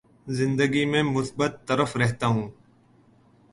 زندگی میں مثبت طرف رہتا ہوں